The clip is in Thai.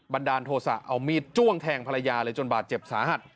ดาลโทษะเอามีดจ้วงแทงภรรยาเลยจนบาดเจ็บสาหัส